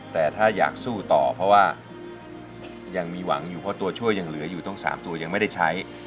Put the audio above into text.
แต่ถ้าอยากสู้ต่อเพราะว่ายังมีหวังอยู่เพราะตัวช่วยยังเหลืออยู่ต้อง๓ตัวยังไม่ได้ใช้